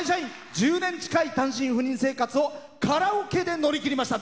１０年近い単身赴任生活をカラオケで乗り切りました。